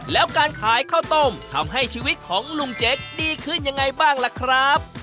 แล้วการขายข้าวต้มทำให้ชีวิตของลุงเจ๊กดีขึ้นยังไงบ้างล่ะครับ